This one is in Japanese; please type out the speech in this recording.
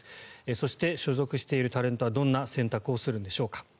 そして、所属しているタレントはどんな選択をするんでしょうか。